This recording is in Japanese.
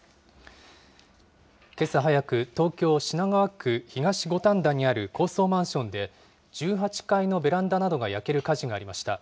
けさ早く、東京・品川区東五反田にある高層マンションで、１８階のベランダなどが焼ける火事がありました。